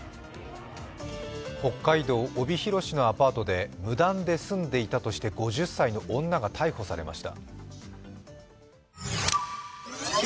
北海道帯広市のアパートで無断で住んでいたとして５０歳の女が逮捕されました。